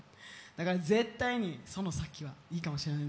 だから絶対にその先がいいかもしれない。